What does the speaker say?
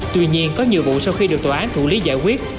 tuy nhiên có nhiều vụ sau khi được tòa án thủ lý giải quyết